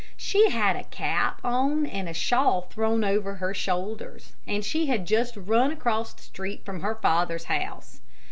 She had a cap on and a shawl thrown over her shoulders, and she had just run across the street from her father's house.